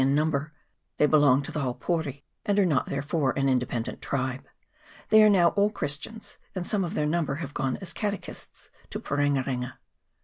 in number : they belong to the Haupouri, and are not therefore an independent tribe. They are now all Christians, and some of their number had gone as catechists to Parenga renga.